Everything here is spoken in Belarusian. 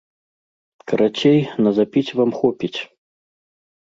Карацей, на запіць вам хопіць.